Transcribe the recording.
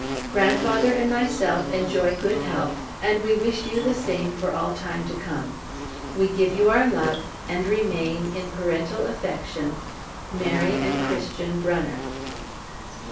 Grandfather and myself enjoy good health, and we wish you the same for all time to come. We give you our love, and remain, In parental affection, MARY AND CHRISTIAN BRUNNER.